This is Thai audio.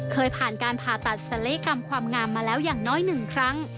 เคยผ่านการผ่าตัดศัลยกรรมความงามมาแล้วอย่างน้อย๑ครั้ง